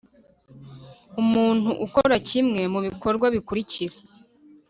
Umuntu ukora kimwe mu bikorwa bikurikira